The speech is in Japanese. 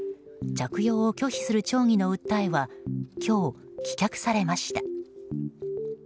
着用を拒否する町議の訴えは今日、棄却されました。